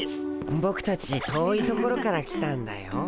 ボクたち遠い所から来たんだよ。